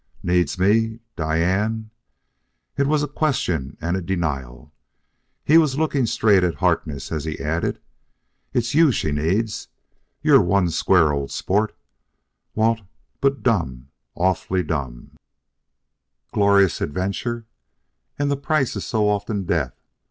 "Needs me? Diane?" It was a question and a denial. He was looking straight at Harkness as he added: "It's you she needs.... You're one square old sport, Walt, but dumb awfully dumb...." Glorious adventure! and the price is so often death.